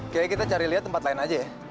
kayaknya kita cari lihat tempat lain aja ya